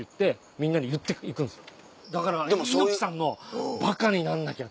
みんなに言って行くんですよだから。